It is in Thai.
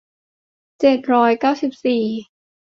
เจ็ดร้อยเก้าสิบสี่